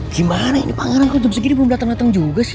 gimana ini pangeran kotor segini belum dateng dateng juga sih